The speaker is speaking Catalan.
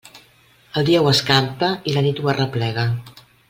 El dia ho escampa i la nit ho arreplega.